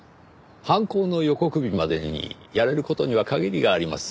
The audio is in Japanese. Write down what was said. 犯行の予告日までにやれる事には限りがあります。